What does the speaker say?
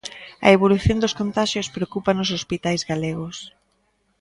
A evolución dos contaxios preocupa nos hospitais galegos.